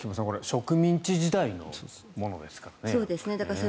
植民地時代のものですからね。